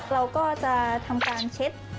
เราก็จะทำการเช็ด